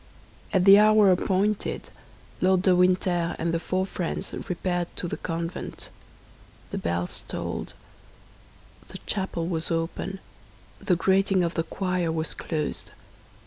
At the hour appointed, Lord de Winter and the four friends repaired to the convent; the bells tolled, the chapel was open, the grating of the choir was closed.